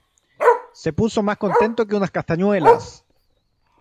Se puso más contento que unas castañuelas